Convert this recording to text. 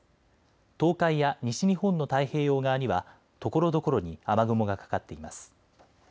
東海や西日本の太平洋側にはところどころに雨雲がかかっています。